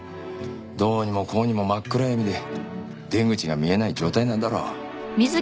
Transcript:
どうにもこうにも真っ暗闇で出口が見えない状態なんだろ。